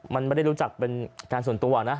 มันไม่ได้รู้จักเป็นการส่วนตัวนะ